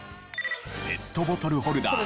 ペットボトルホルダー